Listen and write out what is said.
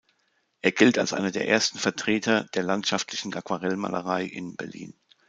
Er gilt als einer der ersten Vertreter der landschaftlichen Aquarellmalerei in Berlin.